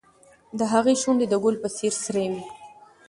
د هغې شونډې د ګل په څېر سرې وې.